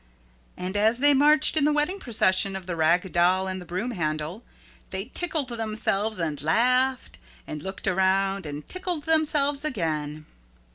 And as they marched in the wedding procession of the Rag Doll and the Broom Handle, they tickled themselves and laughed and looked around and tickled themselves again.